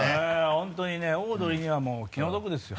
本当にねオードリーにはもう気の毒ですよ。